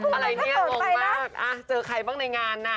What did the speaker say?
อะไรเนี่ยงงมากเจอใครบ้างในงานน่ะ